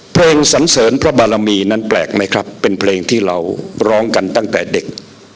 สันเสริญพระบารมีนั้นแปลกไหมครับเป็นเพลงที่เราร้องกันตั้งแต่เด็ก